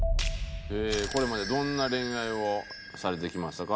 これまでどんな恋愛をされてきましたか？